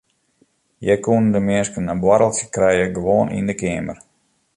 Hjir koenen de minsken in boarreltsje krije gewoan yn de keamer.